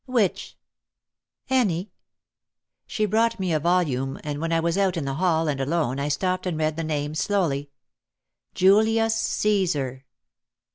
"Which ?" "Any." She brought me a volume and when I was out in the hall and alone I stopped and read the name slowly — "Julius Caesar."